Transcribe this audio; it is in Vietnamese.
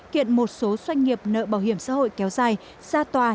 kiện một số doanh nghiệp nợ bảo hiểm xã hội kéo dài ra tòa